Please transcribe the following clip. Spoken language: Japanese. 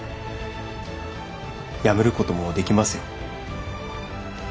やめることもできますよ。